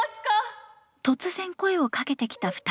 突然声をかけてきた２人。